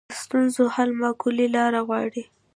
د ستونزو حل معقولې لارې غواړي